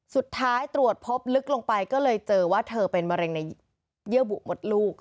สุดท้ายตรวจพบลึกลงไปก็เลยเจอว่าเธอเป็นมะเร็งในเยื่อบุมดลูก